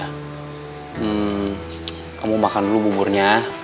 hmm kamu makan dulu buburnya